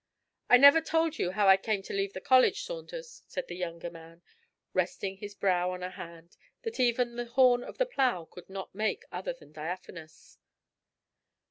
'I never told you how I came to leave the college, Saunders,' said the younger man, resting his brow on a hand that even the horn of the plough could not make other than diaphanous.